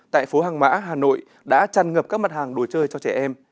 tại phố hàng mã hà nội đã trăn ngập các mặt hàng đồ chơi cho trẻ em